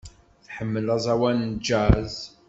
Tḥemmel aẓawan n jazz.